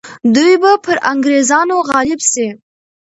دوی به پر انګریزانو غالب سي.